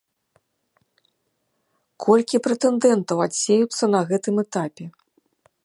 Колькі прэтэндэнтаў адсеюцца на гэтым этапе?